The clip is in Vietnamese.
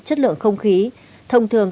chất lượng không khí thông thường